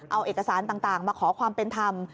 เอาเอกสารต่างมาขอความเป็นธรรม